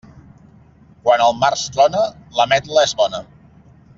Quan al març trona, l'ametla és bona.